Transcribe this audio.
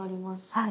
はい。